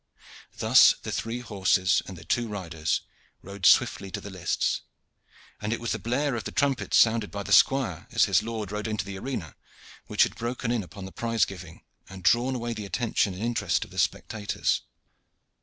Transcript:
Thus the three horses and their two riders rode swiftly to the lists, and it was the blare of the trumpet sounded by the squire as his lord rode into the arena which had broken in upon the prize giving and drawn away the attention and interest of the spectators.